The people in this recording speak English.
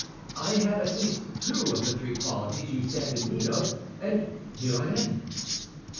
I have at least two of the three qualities you stand in need of, and here I am."